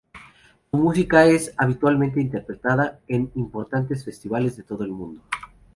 Su música es habitualmente interpretada en importantes festivales de todo el mundo.